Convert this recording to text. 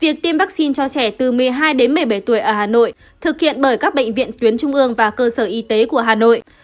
việc tiêm vaccine cho trẻ từ một mươi hai đến một mươi bảy tuổi ở hà nội thực hiện bởi các bệnh viện tuyến trung ương và cơ sở y tế của hà nội